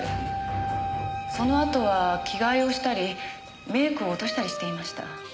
そのあとは着替えをしたりメークを落としたりしていました。